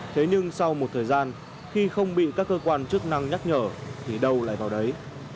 thế nhưng sau một thời gian khi không bị các cơ quan chức năng nhắc nhở thì đâu lại vào đấy